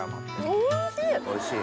おいしい！